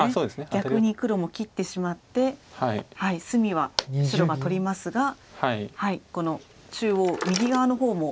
逆に黒も切ってしまって隅は白が取りますがこの中央右側の方も。